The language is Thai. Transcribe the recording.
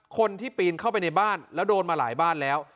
ปีนเข้าไปในบ้านแล้วโดนมาหลายบ้านแล้ว